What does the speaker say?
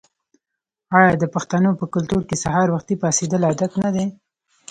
آیا د پښتنو په کلتور کې سهار وختي پاڅیدل عادت نه دی؟